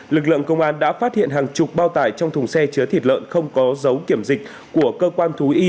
lực lượng công an đã phát hiện hàng chục bao tải trong thùng xe chứa thịt lợn không có dấu kiểm dịch